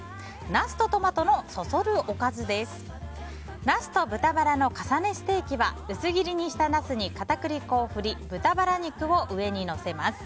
ナスと豚バラの重ねステーキは薄切りにしたナスに片栗粉を振り豚バラ肉を上にのせます。